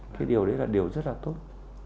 cái điều đấy là điều rất là tốt